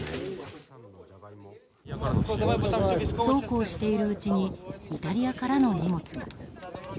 そうこうしているうちにイタリアからの荷物が。